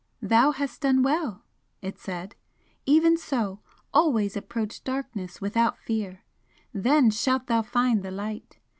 "Thou hast done well!" it said "Even so always approach Darkness without fear! Then shalt thou find the Light!